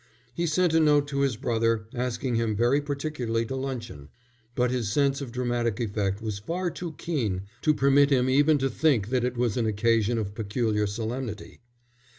He sent a note to his brother asking him very particularly to luncheon, but his sense of dramatic effect was far too keen to permit him even to hint that it was an occasion of peculiar solemnity.